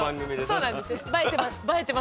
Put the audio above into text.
そうなんですよ。